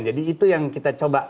jadi itu yang kita coba